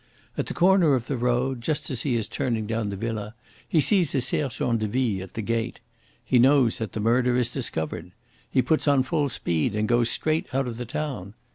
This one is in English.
At the corner of the road, just as he is turning down to the villa, he sees a sergent de ville at the gate. He knows that the murder is discovered. He puts on full speed and goes straight out of the town.